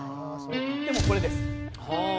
でもうこれです。